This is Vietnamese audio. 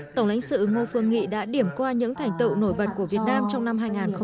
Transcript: tổng lãnh sự ngô phương nghị đã điểm qua những thành tựu nổi bật của việt nam trong năm hai nghìn